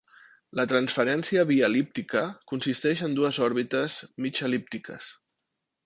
La transferència bi-el·líptica consisteix en dues òrbites mig el·líptiques.